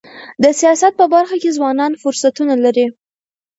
د سیاست په برخه کي ځوانان فرصتونه لري.